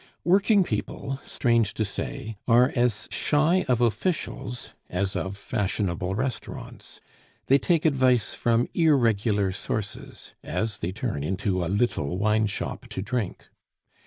Working people, strange to say are as shy of officials as of fashionable restaurants, they take advice from irregular sources as they turn into a little wineshop to drink.